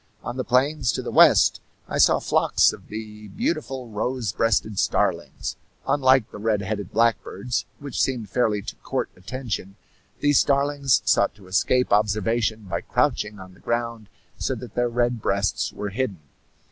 On the plains to the west I saw flocks of the beautiful rose breasted starlings; unlike the red headed blackbirds, which seemed fairly to court attention, these starlings sought to escape observation by crouching on the ground so that their red breasts were hidden.